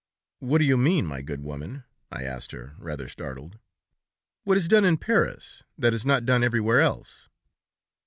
'What do you mean, my good woman?' I asked her, rather startled. 'What is done in Paris, that is not done everywhere else?'